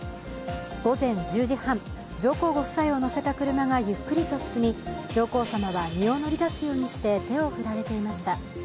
午前１０時半、上皇ご夫妻を乗せた車がゆっくりと進み、上皇さまは身を乗り出すように手を振られていました。